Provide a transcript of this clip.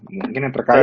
mungkin yang terkait